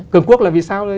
cường quốc là vì sao